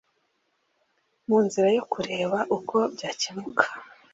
Mu nzira yo kureba uko byakemuka